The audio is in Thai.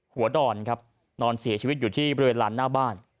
ดอนครับนอนเสียชีวิตอยู่ที่บริเวณลานหน้าบ้าน